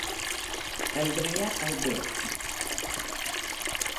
Andrea Alberti